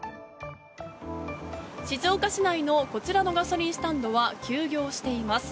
静岡市内のこちらのガソリンスタンドは休業しています。